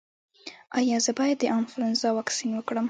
ایا زه باید د انفلونزا واکسین وکړم؟